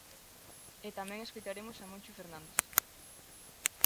E tamén escoitaremos a Moncho Fernández.